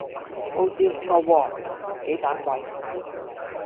佈置唔錯喎！幾盞鬼